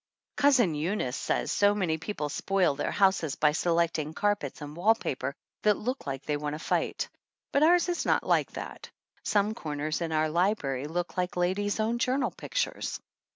Cousin Eunice says so many people spoil their houses by selecting carpets and wall paper that look like they want to fight. But ours is not like that. Some corners in our library look like Ladies' Own Journal pictures.